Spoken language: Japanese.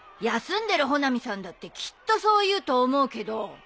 休んでる穂波さんだってきっとそう言うと思うけど。